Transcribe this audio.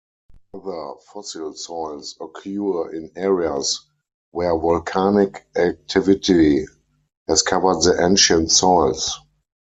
Other fossil soils occur in areas where volcanic activity has covered the ancient soils.